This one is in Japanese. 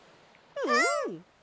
うん！